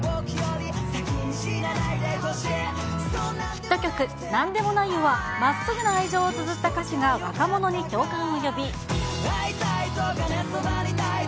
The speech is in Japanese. ヒット曲、なんでもないよ、はまっすぐな愛情をつづった歌詞が若者に共感を呼び。